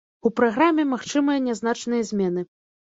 У праграме магчымыя нязначныя змены.